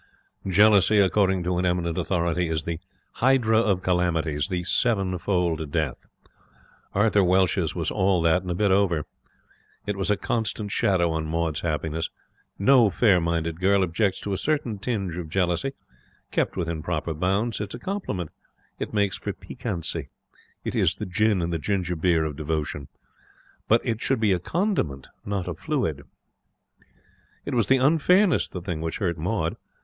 Jealousy, according to an eminent authority, is the 'hydra of calamities, the sevenfold death'. Arthur Welsh's was all that and a bit over. It was a constant shadow on Maud's happiness. No fair minded girl objects to a certain tinge of jealousy. Kept within proper bounds, it is a compliment; it makes for piquancy; it is the gin in the ginger beer of devotion. But it should be a condiment, not a fluid. It was the unfairness of the thing which hurt Maud.